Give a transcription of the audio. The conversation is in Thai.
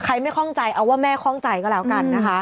ไม่คล่องใจเอาว่าแม่คล่องใจก็แล้วกันนะคะ